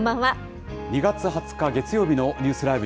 ２月２０日月曜日のニュースＬＩＶＥ！